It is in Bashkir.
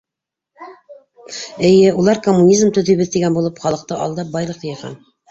Эйе, улар, коммунизм төҙөйбөҙ тигән булып, халыҡты алдап, байлыҡ йыйған.